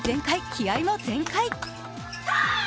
気合いも全開！